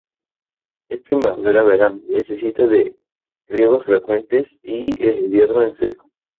En primavera-verano necesita de riegos frecuentes y el invierno en seco.